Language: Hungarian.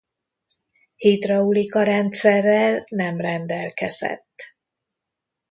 Hidraulika-rendszerrel nem rendelkezett.